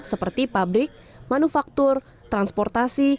seperti pabrik manufaktur transportasi